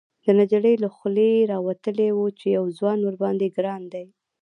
، د نجلۍ له خولې راوتلي و چې يو ځوان ورباندې ګران دی.